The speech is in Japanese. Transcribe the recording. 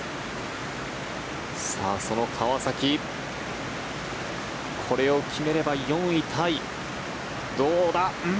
その川崎、これを決めれば４位タイ。